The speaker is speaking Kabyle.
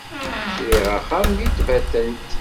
Kriɣ axxam deg Tbatent.